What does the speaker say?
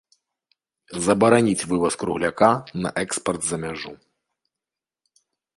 Забараніць вываз кругляка на экспарт за мяжу.